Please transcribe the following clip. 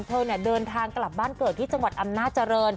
เธอเดินทางกลับบ้านเกิดที่จังหวัดอำนาจริง